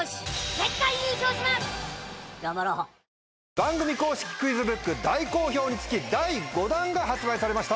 番組公式クイズブック大好評につき第５弾が発売されました。